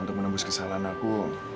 untuk menembus kesalahan aku